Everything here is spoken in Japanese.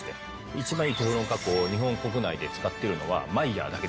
一番いいテフロン加工を日本国内で使っているのはマイヤーだけです。